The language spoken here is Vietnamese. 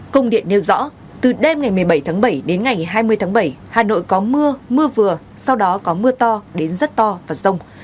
công điện nêu rõ từ đêm ngày một mươi bảy tháng bảy đến ngày hai mươi tháng bảy hà nội có mưa mưa vừa sau đó có mưa to đến rất to và rông